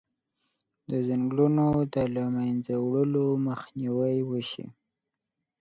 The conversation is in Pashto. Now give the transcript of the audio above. د ځنګلونو د له منځه وړلو مخنیوی وشي.